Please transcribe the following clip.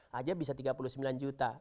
hanya bisa tiga puluh sembilan juta